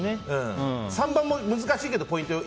３番も難しいけどポイント。